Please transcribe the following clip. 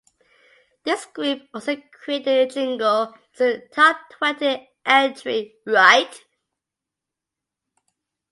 This group also created the jingle 'It's A Top Twenty Entry - Right!